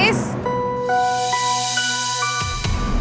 chassis mordisi kehilangan exquisitu